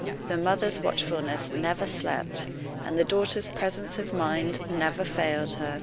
The mother's watchfulness never slept, and the daughter's presence of mind never failed her.